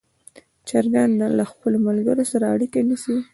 چرګان له خپلو ملګرو سره اړیکه نیسي.